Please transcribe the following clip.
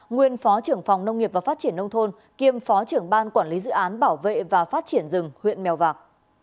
nguyên phó trưởng phòng nông nghiệp và phát triển nông thôn kiêm phó trưởng ban quản lý dự án bảo vệ và phát triển rừng huyện mèo vạc